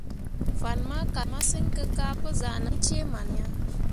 Fan ma kal masǝŋ kǝ ka pǝ zah ʼnan cee man ya.